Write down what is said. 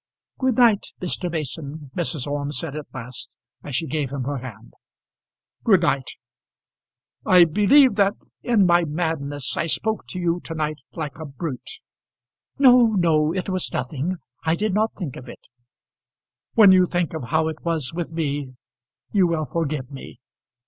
"Good night, Mr. Mason," Mrs. Orme said at last, as she gave him her hand. "Good night. I believe that in my madness I spoke to you to night like a brute." "No, no. It was nothing. I did not think of it." "When you think of how it was with me, you will forgive me."